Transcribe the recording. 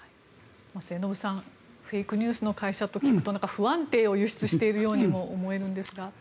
末延さんフェイクニュースの会社と聞くと不安定を輸出しているようにも思うんですが。